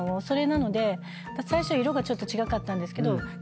それなので最初色がちょっと違かったんですけど。